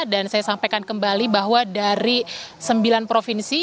dan saya sampaikan kembali bahwa dari sembilan provinsi